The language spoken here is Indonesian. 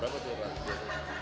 biasanya dari rp satu juta